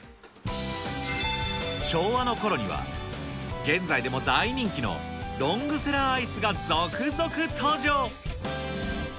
昭和のころには、現在でも大人気のロングセラーアイスが続々登場。